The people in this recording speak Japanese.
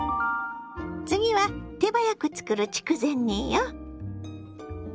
次は手早く作る筑前煮よ。